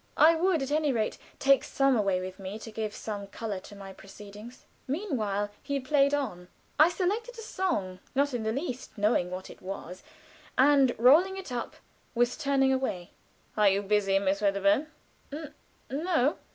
I would at any rate take some away with me to give some color to my proceedings. Meanwhile he played on. I selected a song, not in the least knowing what it was, and rolling it up, was turning away. "Are you busy, Miss Wedderburn?" "N no."